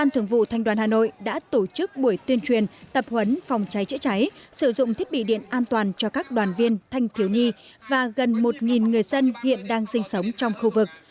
thường vụ thanh đoàn hà nội đã tổ chức buổi tuyên truyền tập huấn phòng cháy chữa cháy sử dụng thiết bị điện an toàn cho các đoàn viên thanh thiếu nhi và gần một người dân hiện đang sinh sống trong khu vực